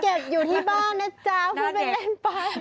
เก็บอยู่ที่บ้านนะจ๊ะพูดเป็นแม่นไป